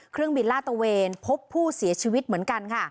เครื่องบินลาดตะเวนพบผู้เสียชีวิตเหมือนกันค่ะ